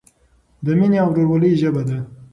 د مینې او ورورولۍ ژبه ده.